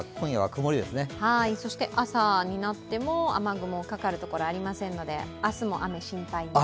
そして朝になっても、雨雲がかかるところはありませんので、明日も雨、心配なし。